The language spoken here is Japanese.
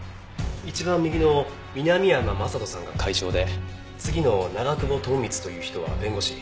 一番右の南山将人さんが会長で次の長久保友光という人は弁護士。